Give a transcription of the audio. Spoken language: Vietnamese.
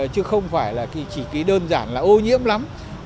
chứ không phải chỉ đơn giản là ô nhiễm lắm